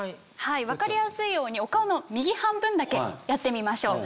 分かりやすいようにお顔の右半分だけやってみましょう。